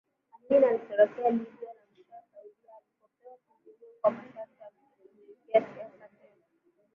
Amin alitorokea Libya na mwishowe Saudia alikopewa kimbilio kwa masharti ya kutoshughulikia Siasa tena